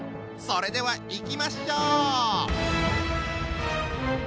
それではいきましょう！